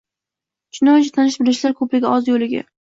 Chunonchi, tanish-bilishlar ko‘pligi o‘z yo‘liga.